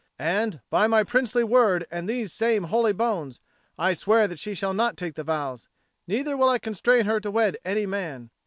And by my princely word and these same holy bones, I swear that she shall not take the vows, neither will I constrain her to wed any man."